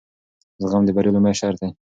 زغم د بریا لومړی شرط دی.